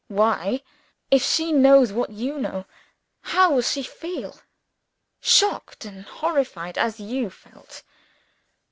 "Why! If she knows what you know, how will she feel? Shocked and horrified, as you felt.